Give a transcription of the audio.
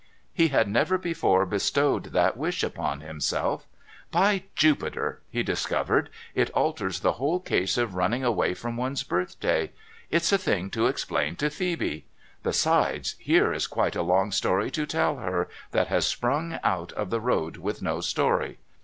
He had never before bestowed that wish upon himself. ' By Jupiter !' he discovered, ' it alters the whole case of running away from one's birthday ! It's a thing to explain to Phoebe. Besides, here is quite a long story to tell her, that has sprung out of the road with no story.